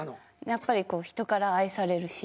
やっぱり人から愛されるし。